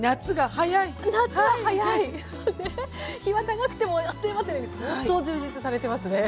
日は長くてもあっという間というように相当充実されてますね。